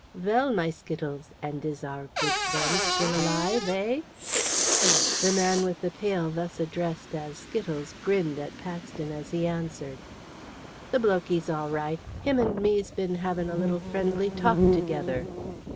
"Well, my Skittles, and is our good friend still alive eh?" The man with the pail thus addressed as Skittles grinned at Paxton as he answered. "The blokey's all right. Him and me's been having a little friendly talk together."